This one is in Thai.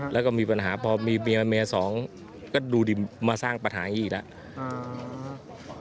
แล้วก็มีปัญหาพอมีเมียเมียสองก็ดูดิมาสร้างปัญหาอย่างนี้อีกแล้ว